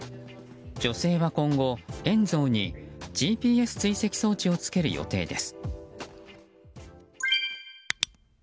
女性は今後、エンゾーにＧＰＳ追跡装置をつける予定です。